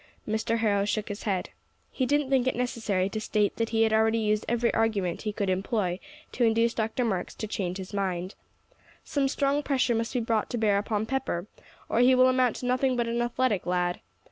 Mr. Harrow shook his head. He didn't think it necessary to state that he had already used every argument he could employ to induce Dr. Marks to change his mind. "Some strong pressure must be brought to bear upon Pepper, or he will amount to nothing but an athletic lad.